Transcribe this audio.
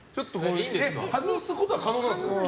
外すことは可能なんですか？